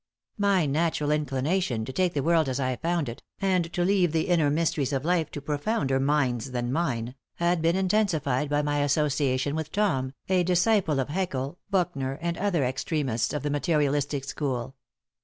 My natural inclination to take the world as I found it, and to leave the inner mysteries of life to profounder minds than mine, had been intensified by my association with Tom, a disciple of Haeckel, Büchner and other extremists of the materialistic school.